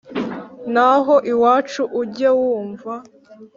naho iwacu ujye wumva